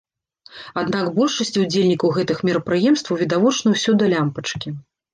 Аднак большасці ўдзельнікаў гэтых мерапрыемстваў відавочна ўсё да лямпачкі.